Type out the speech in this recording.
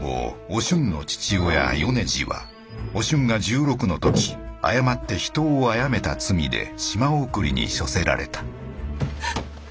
お俊の父親米次はお俊が１６の時誤って人を殺めた罪で島送りに処せられた。